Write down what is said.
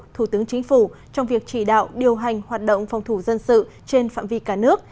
thủ tướng chính phủ trong việc chỉ đạo điều hành hoạt động phòng thủ dân sự trên phạm vi cả nước